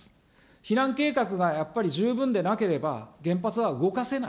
避難計画がやっぱり十分でなければ、原発は動かせない。